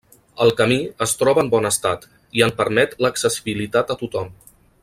El camí es troba en bon estat, i en permet l’accessibilitat a tothom.